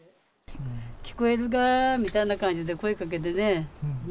聞こえるかみたいな感じで、声かけてね。